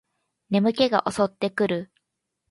眠気が襲ってくる